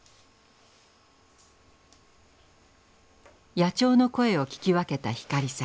野鳥の声を聞き分けた光さん。